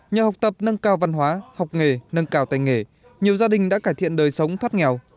nhờ học tập nâng cao văn hóa học nghề nâng cao tay nghề nhiều gia đình đã cải thiện đời sống thoát nghèo